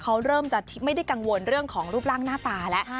เขาเริ่มจะไม่ได้กังวลเรื่องของรูปร่างหน้าตาแล้ว